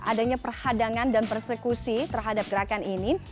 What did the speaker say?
adanya perhadangan dan persekusi terhadap gerakan ini